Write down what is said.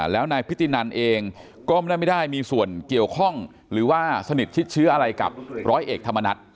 แล้วนายพิธีนันเองก็ไม่ได้มีส่วนเกี่ยวข้องหรือว่าสนิทชิดเชื้ออะไรกับร้อยเอกธรรมนัฐ